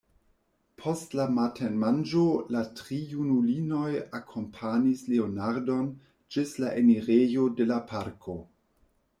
Post la matenmanĝo la tri junulinoj akompanis Leonardon ĝis la enirejo de la parko.